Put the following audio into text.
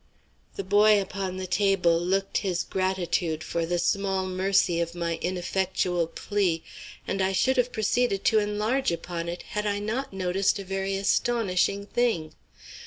The boy upon the table looked his gratitude for the small mercy of my ineffectual plea, and I should have proceeded to enlarge upon it had I not noticed a very astonishing thing.